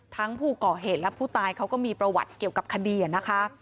ทั้งผู้ก่อเหตุและผู้ตายเขาก็มีประวัติเกี่ยวกับคดีนะคะ